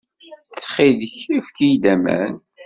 Ttxil-k, efk-iyi-d aman!